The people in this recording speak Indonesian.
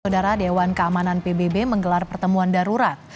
saudara dewan keamanan pbb menggelar pertemuan darurat